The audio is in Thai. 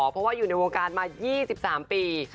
เพราะว่าอยู่ในวงการมา๒๓ปี